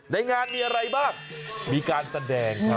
ในงานมีอะไรบ้างมีการแสดงครับ